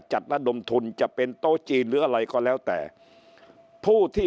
ระดมทุนจะเป็นโต๊ะจีนหรืออะไรก็แล้วแต่ผู้ที่